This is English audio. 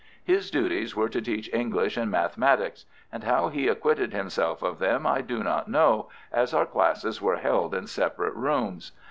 His duties were to teach English and mathematics, and how he acquitted himself of them I do not know, as our classes were held in separate rooms.